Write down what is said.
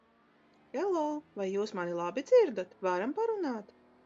Hello, vai jūs mani labi dzirdat? Varam parunāt?